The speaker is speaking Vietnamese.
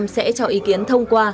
sẽ cho ý kiến thông qua